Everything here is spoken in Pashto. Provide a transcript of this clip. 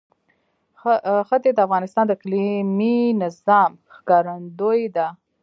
ښتې د افغانستان د اقلیمي نظام ښکارندوی ده.